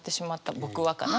「僕は」かな？